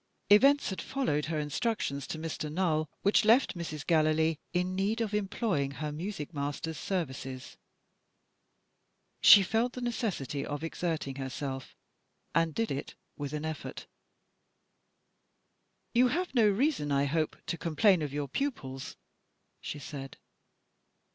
Events had followed her instructions to Mr. Null, which left Mrs. Gallilee in need of employing her music master's services. She felt the necessity of exerting herself; and did it with an effort. "You have no reason, I hope, to complain of your pupils?" she said.